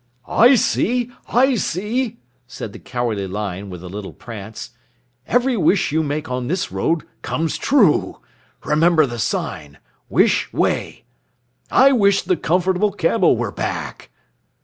"I see! I see!" said the Cowardly Lion with a little prance. "Every wish you make on this road comes true. Remember the sign: 'Wish Way.' I wish the Comfortable Camel were back.